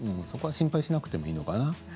そこは心配しなくてもいいのかな。